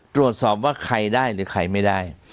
ตรวจสอบว่าใครได้หรือใครไม่ได้